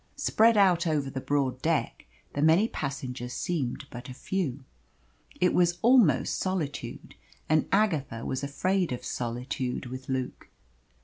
Spread out over the broad deck the many passengers seemed but a few. It was almost solitude and Agatha was afraid of solitude with Luke.